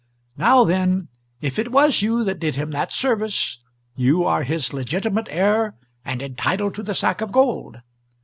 Now, then, if it was you that did him that service, you are his legitimate heir, and entitled to the sack of gold.